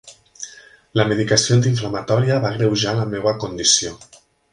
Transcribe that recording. La medicació antiinflamatòria va agreujar la meva condició.